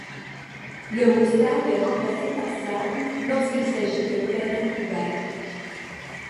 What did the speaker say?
Le mot stade est remplacé par salle lorsqu'il s'agit de terrain couvert.